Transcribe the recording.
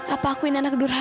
apa aku ini anak durhaka